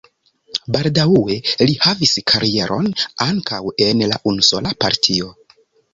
Baldaŭe li havis karieron ankaŭ en la unusola partio.